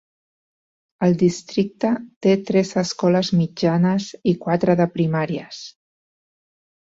El districte té tres escoles mitjanes i quatre de primàries.